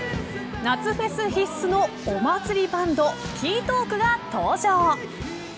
夏フェス必須のお祭りバンドＫＥＹＴＡＬＫが登場。